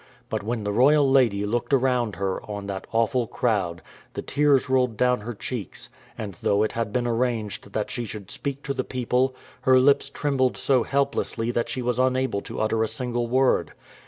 But when the royal lady looked around her on that awful crowd, the tears rolled down her cheeks, and though it had been arranged that she should speak to the people, her lips trembled so helplessly that she was unable to utter a single word.